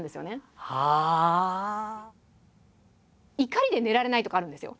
怒りで寝られないとかあるんですよ。